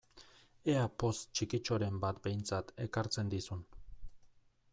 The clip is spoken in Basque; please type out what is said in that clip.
Ea poz txikitxoren bat behintzat ekartzen dizun!